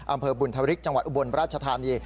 อำเภอบุญธริกจังหวัดอุบลราชธานี